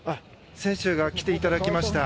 選手が来ていただきました。